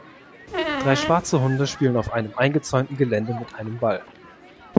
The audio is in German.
Drei schwarze Hunde spielen auf einem eingezäunten Gelände mit einem Ball.